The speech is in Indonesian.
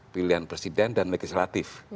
pilihan presiden dan legislatif